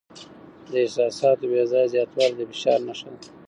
د احساساتو بې ځایه زیاتوالی د فشار نښه ده.